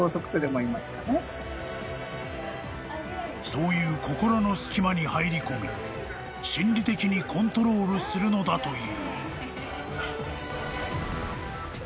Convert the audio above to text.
［そういう心の隙間に入り込み心理的にコントロールするのだという］